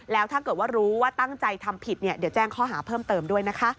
แล้วถ้าเกิดว่ารู้ว่าตั้งใจทำผิดเดี๋ยวแจ้งข้อหาเพิ่มเติมด้วยนะคะ